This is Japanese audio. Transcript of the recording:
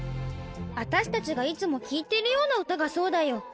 あたしたちがいつもきいてるような歌がそうだよ。